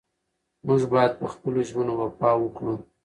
موږ باید په خپلو ژمنو وفا وکړو.